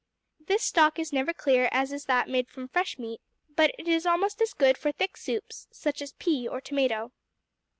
This stock is never clear as is that made from fresh meat, but it is almost as good for thick soups, such as pea, or tomato.